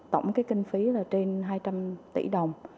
tổng cái kinh phí là trên hai trăm linh tỷ đồng